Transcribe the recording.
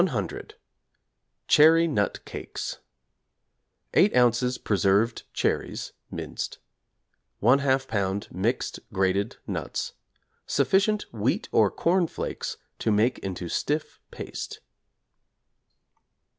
Cherry Nut Cakes= 8 ozs. preserved cherries (minced); 1/2 lb. mixed grated nuts; sufficient 'Wheat or Corn Flakes' to make into stiff paste.